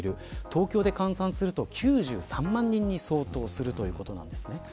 東京で換算すると９３万人に相当するということです。